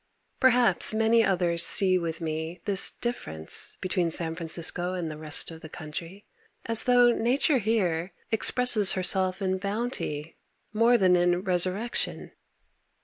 Perhaps many others see with me this difference between San Francisco and the rest of the country, as though nature here expresses herself in bounty more than in resurrection.